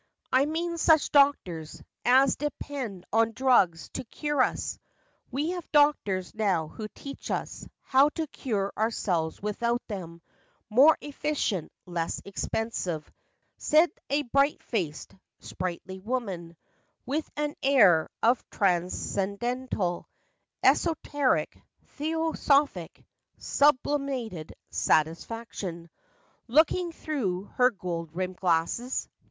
I mean such doctors As depend on drugs to cure us. We have doctors now who teach us How to cure ourselves without them, More efficient, less expensive," Said a bright faced, sprightly woman, With an air of transcendental, Esoteric, theosophic, Sublimated satisfaction, Looking through her gold rimm'd glasses.